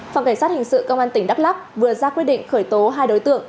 phòng cảnh sát hình sự công an tỉnh đắk lắc vừa ra quyết định khởi tố hai đối tượng